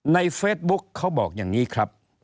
ในเฟซบุ๊กเขาบอกอย่างนี้ครับ